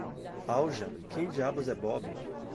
Alja, quem diabos é Bob?